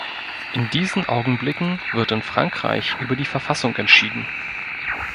In diesen Augenblicken wird in Frankreich über die Verfassung entschieden.